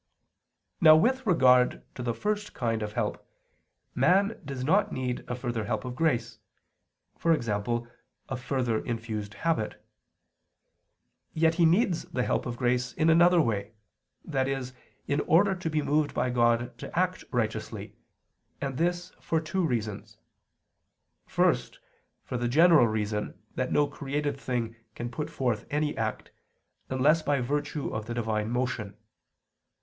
Now with regard to the first kind of help, man does not need a further help of grace, e.g. a further infused habit. Yet he needs the help of grace in another way, i.e. in order to be moved by God to act righteously, and this for two reasons: first, for the general reason that no created thing can put forth any act, unless by virtue of the Divine motion.